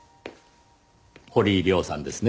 堀井亮さんですね？